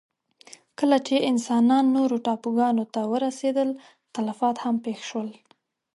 کله چې انسانان نورو ټاپوګانو ته ورسېدل، تلفات هم پېښ شول.